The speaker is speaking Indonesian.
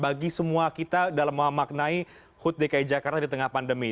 bagi semua kita dalam memaknai hut dki jakarta di tengah pandemi